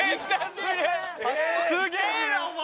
すげえなお前！